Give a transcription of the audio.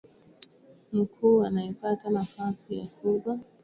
sa mkuu anayepata nafasi ya kula